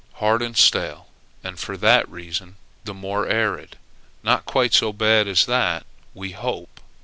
Hard and stale, and for that reason the more arid! Not quite so bad as that, we hope.